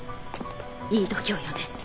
いい度胸よね。